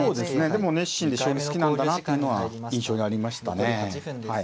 でも熱心で将棋好きなんだなっていうのは印象にありましたね。